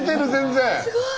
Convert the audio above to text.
すごい。